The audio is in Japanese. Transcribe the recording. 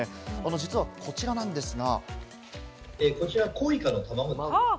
実はこちらなんですが。